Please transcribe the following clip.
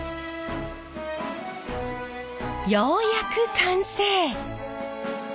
ようやく完成！